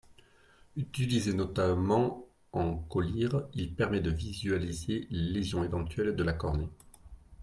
Utilisé notamment en collyre, il permet de visualiser les lésions éventuelles de la cornée.